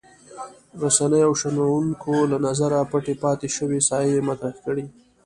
رسنیو او شنونکو له نظره پټې پاتې شوې ساحې یې مطرح کړې.